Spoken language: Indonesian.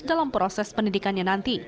dalam proses pendidikannya nanti